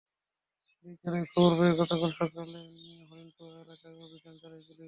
Police জানায়, খবর পেয়ে গতকাল সকালে হরিণতোয়া এলাকায় অভিযান চালায় পুলিশ।